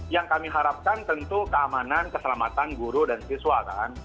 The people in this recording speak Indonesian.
yang kami harapkan tentu keamanan keselamatan guru dan siswa kan